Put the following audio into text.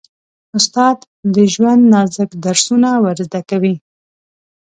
استاد د ژوند نازک درسونه ور زده کوي.